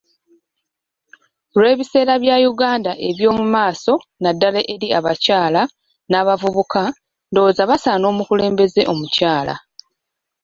Lw'ebiseera bya Uganda eby'omu maaso naddala eri abakyala n'abavubuka ndowooza basaana omukulembeze omukyala.